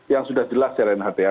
yang sudah jelas dari nhta